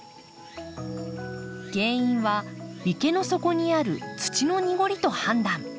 原因は池の底にある土の濁りと判断。